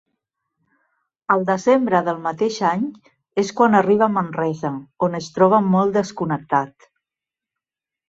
El desembre del mateix any és quan arriba a Manresa, on es troba molt desconnectat.